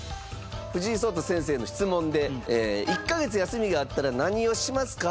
藤井聡太先生への質問で「１カ月休みがあったら何をしますか？」と聞かれました。